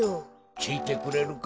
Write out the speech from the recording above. きいてくれるか？